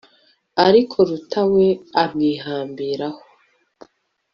ariko ruta we amwihambiraho